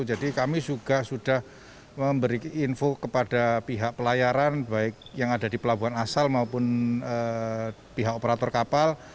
jadi kami sudah memberi info kepada pihak pelayaran baik yang ada di pelabuhan asal maupun pihak operator kapal